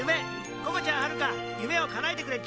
ここちゃんはるか夢をかなえてくれっち。